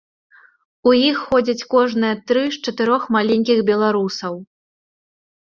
У іх ходзяць кожныя тры з чатырох маленькіх беларусаў.